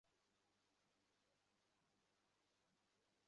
খুব ভালো, সেটা নিয়েই থাকো।